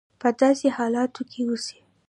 په داسې حالاتو کې اوسي.